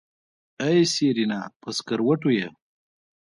ای سېرېنا په سکروټو يې.